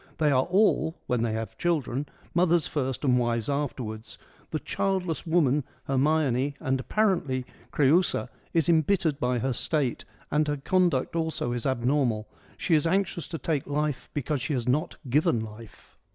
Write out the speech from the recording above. They are all — when they have children — mothers first and wives afterwards ; the childless woman — Hermione' and, EURIPIDES 95 apparently, Creiisa — is embittered by her state and her conduct also is abnormal : she is anxious to take life because she has not given life.